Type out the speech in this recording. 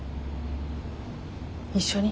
一緒に。